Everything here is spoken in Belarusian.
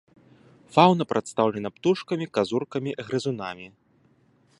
Фаўна прадстаўлена птушкамі, казуркамі, грызунамі.